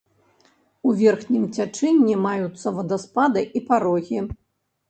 У верхнім цячэнні маюцца вадаспады і парогі.